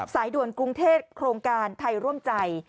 สายด่วนกรุงเทพโครงการไทยร่วมใจ